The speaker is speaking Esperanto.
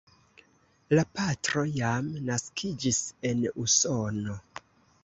La patro jam naskiĝis en Usono.